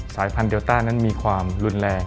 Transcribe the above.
สายพันธุเดลต้านั้นมีความรุนแรง